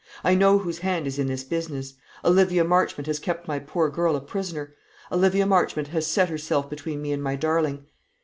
I know whose hand is in this business. Olivia Marchmont has kept my poor girl a prisoner; Olivia Marchmont has set herself between me and my darling!"